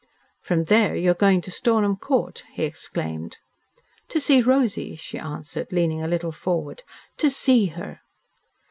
"From there you are going to Stornham Court!" he exclaimed. "To see Rosy," she answered, leaning a little forward. "To SEE her.